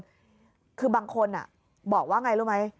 ค้นที่บางคนน่ะบอกว่าน่ะรู้ไหม